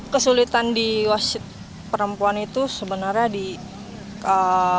kesulitan di wasit perempuan itu sebenarnya di ee